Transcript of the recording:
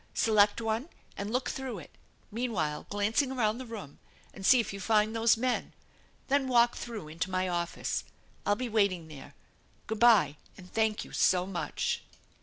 Select one and look through it, meanwhile glancing around the room, and see if you find those men. Then walk through into my office. I'll be waiting there. G ood by, and thank you so much